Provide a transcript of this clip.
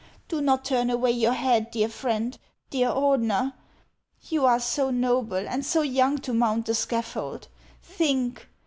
Do not turn away your head, dear friend, dear Ordener. You are so noble and so young to mount the scaffold. Think